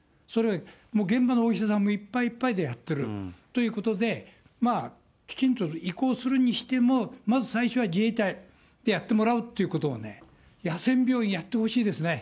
もう現場のお医者さんもいっぱいいっぱいでやってる。ということで、きちんと移行するにしても、まず最初は自衛隊でやってもらうということをね、野戦病院やってほしいですね。